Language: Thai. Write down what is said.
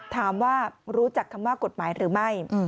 ถามว่ารู้จักคำว่ากฎหมายหรือไม่